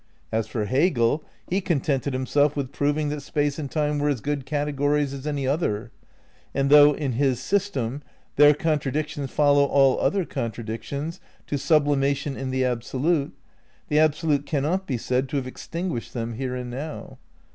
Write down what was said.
As for Hegel, he con tented himself with proving that Space and Time were as good categories as any other; and though in his system their contradictions follow all other contradic tions to sublimation in the Absolute, the Absolute can not be said to have extinguished them here and now.